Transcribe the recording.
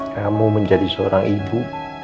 kamu menjadi seorang ibu